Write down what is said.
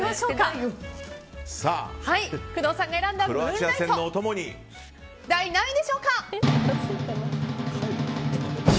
工藤さんが選んだムーンライト第何位でしょうか？